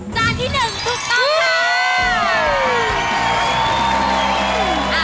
จานที่๑ถูกต้องค่ะ